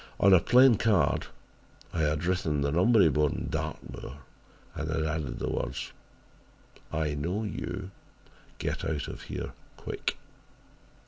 On a plain card I had written the number he bore in Dartmoor and had added the words, 'I know you, get out of here quick.'